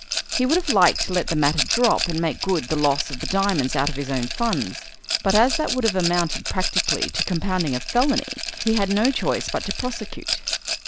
He would have liked to let the matter drop and make good the loss of the diamonds out of his own funds, but, as that would have amounted practically to compounding a felony, he had no choice but to prosecute.